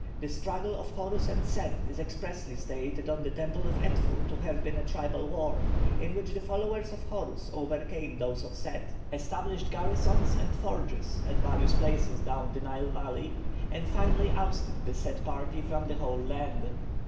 The struggle of Horus and Set is expressly stated on the Temple of Edfu to have been a tribal war, in which the followers of Horus overcame those of Set, established garrisons and forges at various places down the Nile valley, and finally ousted the Set party from the whole land.